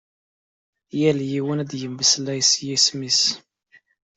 Yal yiwen ad yemmeslay s yisem-is.